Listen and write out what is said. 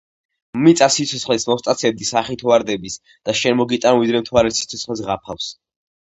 მიწას სიცოცხლეს მოვსტაცებდი სახით ვარდების და შენ მოგიტან ვიდრე მთვარე სიცოცხლეს ღაფავს.